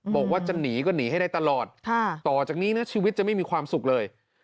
บอกว่าจะหนีก็หนีให้ได้ตลอดต่อจากนี้นะชีวิตจะไม่มีความสุขเลย